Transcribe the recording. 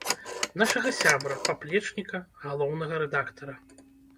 Нашага сябра, паплечніка, галоўнага рэдактара.